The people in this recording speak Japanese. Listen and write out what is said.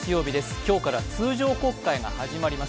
今日から通常国会が始まります。